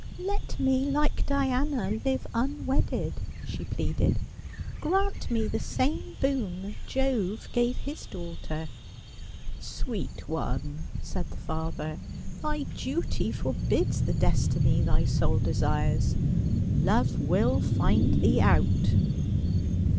" Let me, like Diana, live unwedded," she pleaded. " Grant me the same boon Jove gave his daughter." " Sweet one," said the father, " thy duty forbids the destiny thy soul desires. Love will find thee out."